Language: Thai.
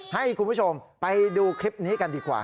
ให้คุณผู้ชมไปดูคลิปนี้กันดีกว่า